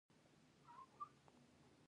هغوی د دین په نوم خنډ جوړ کړ.